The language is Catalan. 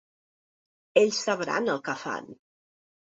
Ells sabran el què fan.